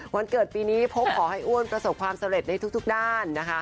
วันเกิดปีนี้พบขอให้อ้วนประสบความสำเร็จในทุกด้านนะคะ